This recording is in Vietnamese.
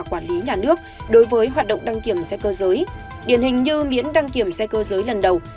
quản lý nhà nước đối với hoạt động đăng kiểm xe cơ giới điển hình như miễn đăng kiểm xe cơ giới lần đầu